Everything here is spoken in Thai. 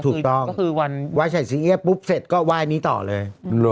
ถูกต้องว่ายไฉสิงเงี๊ยปุ๊บเสร็จก็ว่ายนี้ต่อเลย